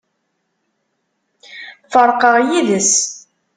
Ferqeɣ yid-s.